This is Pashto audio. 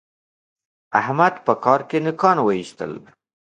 احمد په کار کې نوکان واېستل.